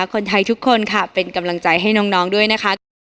คนไทยทุกคนค่ะเป็นกำลังใจให้น้องด้วยนะคะกับ